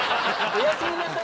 「おやすみなさい」。